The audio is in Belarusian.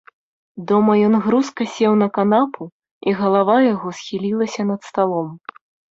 Дома ён грузка сеў на канапу і галава яго схілілася над сталом.